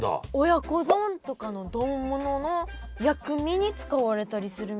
親子丼とかの丼ものの薬味に使われたりするみたいです。